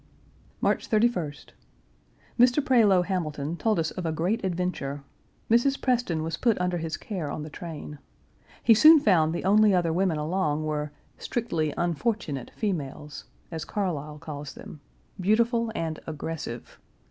March 31st. Mr. Prioleau Hamilton told us of a great adventure. Mrs. Preston was put under his care on the train. He soon found the only other women along were "strictly unfortunate females," as Carlyle calls them, beautiful and aggressive.